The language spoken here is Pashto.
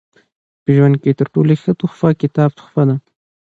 په ژوند کښي تر ټولو ښه تحفه د کتاب تحفه ده.